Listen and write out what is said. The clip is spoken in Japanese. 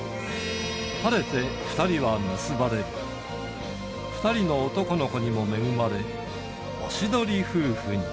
晴れて２人は結ばれ、２人の男の子にも恵まれ、おしどり夫婦に。